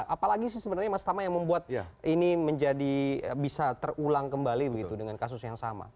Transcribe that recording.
apalagi sih sebenarnya mas tama yang membuat ini menjadi bisa terulang kembali begitu dengan kasus yang sama